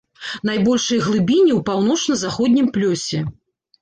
Найбольшыя глыбіні ў паўночна-заходнім плёсе.